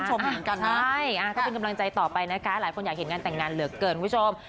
ใช่ถ้าเป็นกำลังใจต่อไปนะคะหลายคนอยากเห็นการแต่งงานเหลือเกินผู้ชม